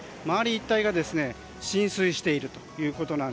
一帯が浸水していると。